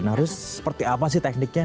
harus seperti apa sih tekniknya